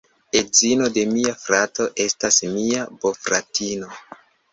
Edzino de mia frato estas mia bofratino.